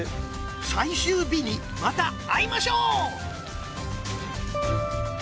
最終日にまた会いましょう！